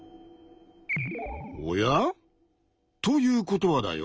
おや？ということはだよ